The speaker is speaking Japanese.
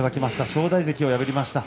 正代関を破りました。